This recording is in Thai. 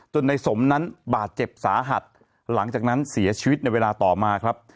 ในสมนั้นบาดเจ็บสาหัสหลังจากนั้นเสียชีวิตในเวลาต่อมาครับ